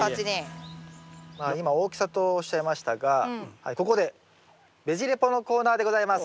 今大きさとおっしゃいましたがここでべジ・レポのコーナーでございます。